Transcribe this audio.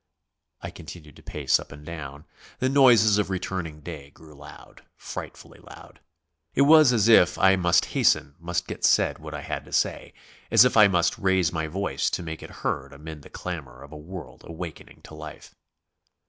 I continued to pace up and down. The noises of returning day grew loud; frightfully loud. It was as if I must hasten, must get said what I had to say, as if I must raise my voice to make it heard amid the clamour of a world awakening to life.